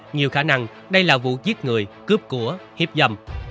nhiều khả năng đây là vụ giết người cướp của hiếp dâm